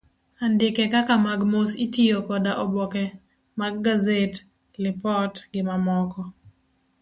Andike kaka mag mos itiyo koda oboke mag gazet, lipot, gi mamoko.